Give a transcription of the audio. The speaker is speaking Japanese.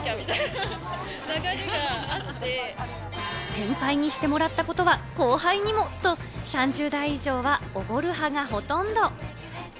先輩にしてもらったことは後輩にもと、３０代以上はおごる派がほとんど。